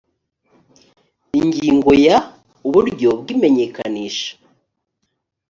ingingo ya uburyo bw imenyekanisha